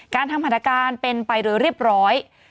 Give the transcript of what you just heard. การทำหัตการณ์เป็นไปเรียบร้อย